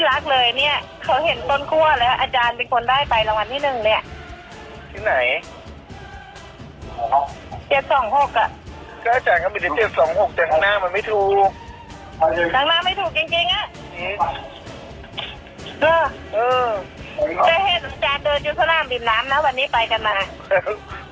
น้ำแล้ววันนี้ไปกันมา